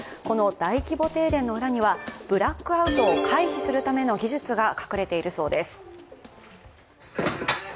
この大規模停電の裏にはブラックアウトを回避するための技術が隠れているそうです。